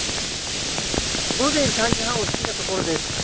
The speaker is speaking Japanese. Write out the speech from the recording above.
午前３時半を過ぎたところです。